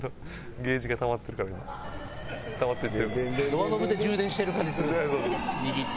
ドアノブで充電してる感じする握って。